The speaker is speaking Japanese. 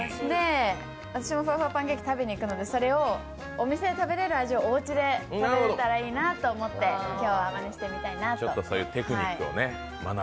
私もふわふわパンケーキを食べに行くので、お店で食べる味をおうちで食べられたらいいなと思って今日はマネしてみたいなと。